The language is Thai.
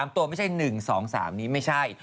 ตัวไม่ใช่๑๒๓นี้ไม่ใช่